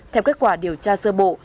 theo kết quả điều tra sơ bộ